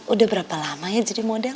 udah berapa lama ya jadi model